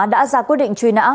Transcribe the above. đã ra quyết định truy nã